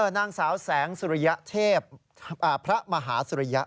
นางสาวแสงสุริยเทพพระมหาสุริยะ